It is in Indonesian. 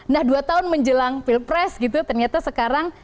nah dua tahun menjelang pilpres gitu ternyata sekarang